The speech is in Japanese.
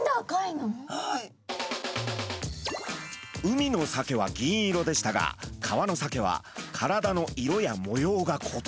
海のサケは銀色でしたが川のサケは体の色や模様が異なります。